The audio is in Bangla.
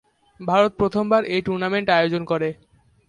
ভারত প্রথমবার এই টুর্নামেন্ট আয়োজন করে।